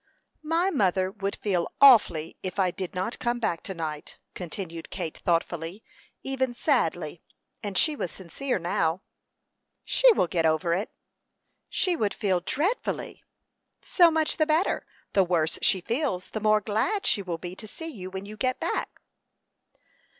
"My mother would feel awfully if I did not come back to night," continued Kate, thoughtfully, even sadly; and she was sincere now. "She will get over it." "She would feel dreadfully." "So much the better; the worse she feels the more glad she will be to see you when you do go back."